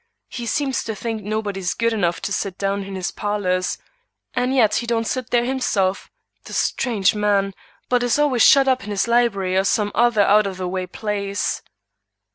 He seems to think nobody is good enough to sit down in his parlors; and yet he don't sit there himself, the strange man! but is always shut up in his library or some other out of the way place."